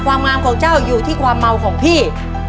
ความงามของเจ้าอยู่ที่ความเมาของพี่